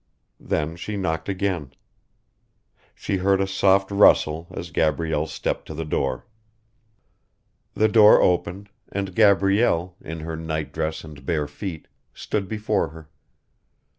Then she knocked again. She heard a soft rustle as Gabrielle stepped to the door. The door opened, and Gabrielle, in her nightdress and bare feet, stood before her.